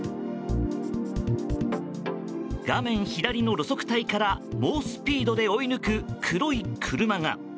画面左の路側帯から猛スピードで追い抜く黒い車が。